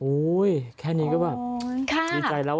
แค่นี้ก็แบบดีใจแล้ว